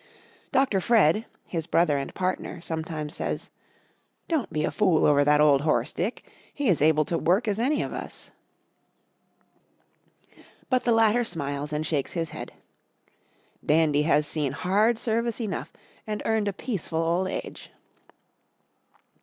Dr. Fred his brother and partner sometimes says: "Don't be a fool over that old horse, Dick! He is able to work as any of us." But the latter smiles and shakes his head: "Dandy has seen hard service enough and earned a peaceful old age."